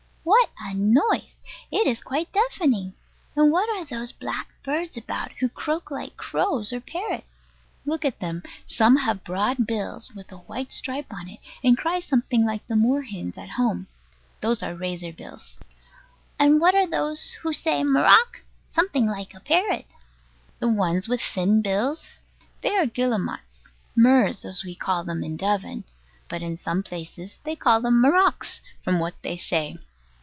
What a noise! It is quite deafening. And what are those black birds about, who croak like crows, or parrots? Look at them. Some have broad bills, with a white stripe on it, and cry something like the moor hens at home. Those are razor bills. And what are those who say "marrock," something like a parrot? The ones with thin bills? they are guillemots, "murres" as we call them in Devon: but in some places they call them "marrocks," from what they say.